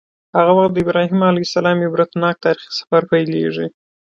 هغه وخت د ابراهیم علیه السلام عبرتناک تاریخي سفر پیلیږي.